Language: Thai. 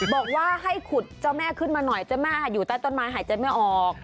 บอกว่าให้ขุดเจ้าแม่ขึ้นมาหน่อยเจ้าแม่อยู่ใต้ต้นไม้หายใจไม่ออก